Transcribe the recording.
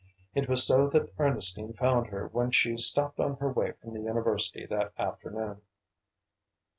It was so that Ernestine found her when she stopped on her way from the university that afternoon.